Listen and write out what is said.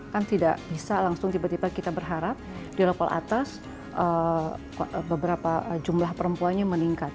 kan tidak bisa langsung tiba tiba kita berharap di level atas beberapa jumlah perempuannya meningkat